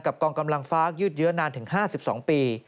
กองกำลังฟ้ายืดเยอะนานถึง๕๒ปี